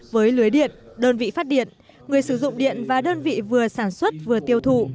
với lưới điện đơn vị phát điện người sử dụng điện và đơn vị vừa sản xuất vừa tiêu thụ